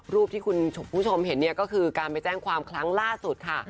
รูปที่คุณผู้ชมเห็นเนี่ยก็คือการไปแจ้งความครั้งล่าสุดค่ะ